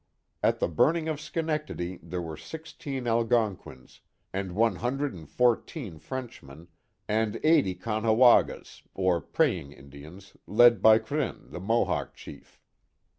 At the burning of Schenectady there were sixteen Algonquins, and one hundred and fourteen Frenchmen, and eighty Caughnawagas or Praying Indians, led by Krin, the Mo hawk chief.